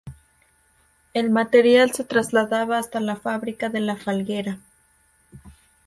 El material se trasladaba hasta la Fábrica de La Felguera.